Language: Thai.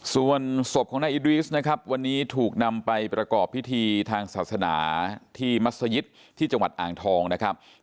ส่วนศพของนายอิดรีสนะครับวันนี้ถูกนำไปประกอบพิธีทางศาสนาที่มัศยิตที่จังหวัดอ่างทองนะครับ